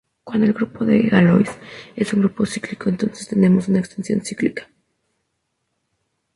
Cuando el grupo de Galois es un grupo cíclico, entonces tenemos una extensión cíclica.